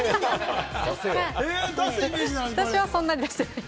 私はそんなに出してない。